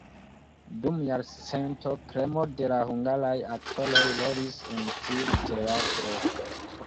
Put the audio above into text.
Dum jarcento kremo de la hungaraj aktoroj rolis en tiu teatro.